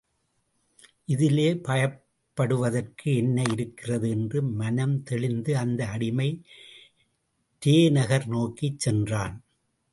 இதிலே பயப்படுவதற்கு என்ன இருக்கிறது என்று மனம் தெளிந்து அந்த அடிமை ரே நகர் நோக்கிச் சென்றான்.